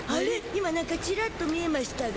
今なんかチラッと見えましゅたが。